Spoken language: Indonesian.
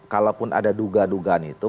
kalaupun ada duga dugaan itu